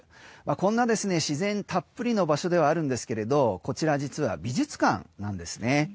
こんな自然たっぷりの場所ですがこちら、実は美術館なんですね。